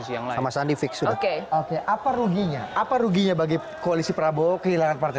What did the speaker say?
sama sandi fix sudah oke oke apa ruginya apa ruginya bagi koalisi prabowo kehilangan partai